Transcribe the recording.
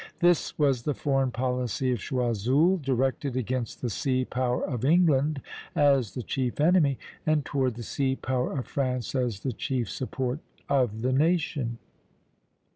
This was the foreign policy of Choiseul, directed against the sea power of England as the chief enemy, and toward the sea power of France as the chief support, of the nation.